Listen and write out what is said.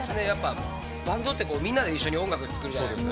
バンドってみんなで一緒に音を作るじゃないですか。